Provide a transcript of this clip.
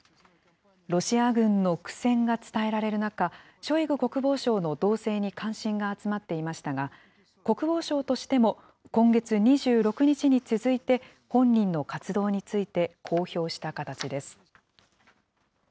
ロシア軍の苦戦が伝えられる中、ショイグ国防相の動静に関心が集まっていましたが、国防省としても今月２６日に続いて、本人の活動について公表した形です。